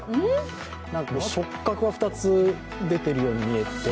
触覚が２つ、出てるように見えて。